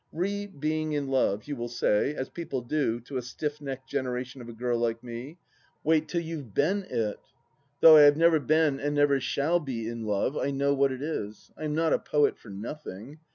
Re being in love, you will say, as people do to a stiff necked generation of a girl like me :" Wait till you've been it 1 " Though I have never been and never shall be in love, I know what it is. I am not a poet for nothing.